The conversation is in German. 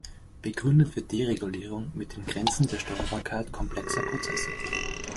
Begründet wird Deregulierung mit den Grenzen der Steuerbarkeit komplexer Prozesse.